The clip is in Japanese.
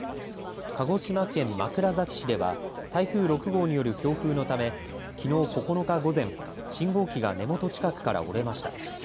鹿児島県枕崎市では台風６号による強風のため、きのう９日午前信号機が根元近くから折れました。